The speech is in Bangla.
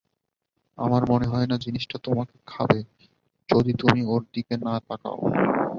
আমার মনে হয় না জিনিসটা তোমাকে খাবে যদি তুমি ওর দিকে না তাকাও।